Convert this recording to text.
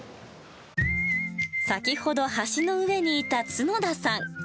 先ほど橋の上にいた角田さん。